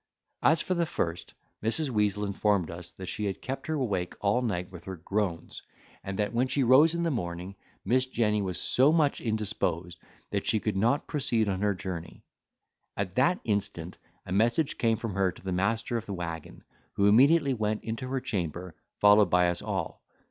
As for the first, Mrs. Weazel informed us, that she had kept her awake all night with her groans; and that when she rose in the morning, Miss Jenny was so much indisposed that she could not proceed on her journey. At that instant, a message came from her to the master of the waggon, who immediately went into her chamber, followed by us all.